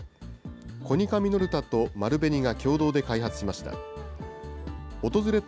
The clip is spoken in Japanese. コニカミノルタと丸紅が共同で開発しました。